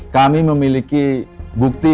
kami memiliki bukti